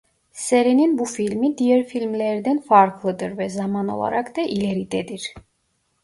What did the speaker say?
Serinin bu filmi diğer filmlerden farklıdır ve zaman olarak da ileridedir.